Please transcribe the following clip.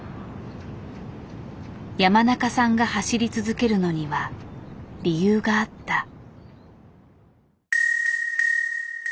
山中さんが走り続けるのには理由があった。